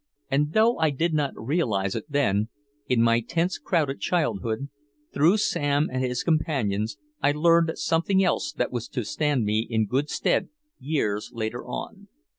And though I did not realize it then, in my tense crowded childhood, through Sam and his companions I learned something else that was to stand me in good stead years later on.